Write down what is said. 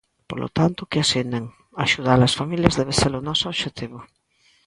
Polo tanto, que asinen; axudar as familias debe ser o noso obxectivo.